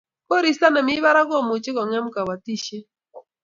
koristo nemi barak komuchi ko ngem kabatishet